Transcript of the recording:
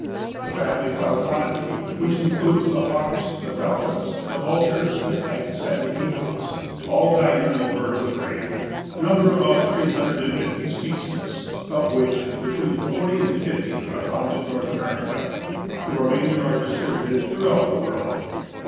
The family Falconidae, which includes the Hawks, the falcons, the vultures, the kites, and the eagles—all diurnal birds of prey—numbers about three hundred and fifty species, of which between forty and fifty are found in North America. The remainder are distributed throughout the world.